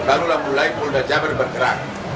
barulah mulai polda jabar bergerak